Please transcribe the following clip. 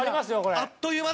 あっという間だ！